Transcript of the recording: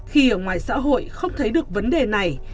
khi ở ngoài xã hội không thấy được vấn đề này